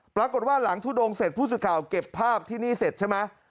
ปรากฏว่าหลังทุดงเสร็จผู้สื่อข่าวเก็บภาพที่นี่เสร็จใช่ไหม